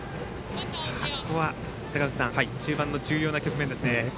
ここは中盤の重要な局面ですね。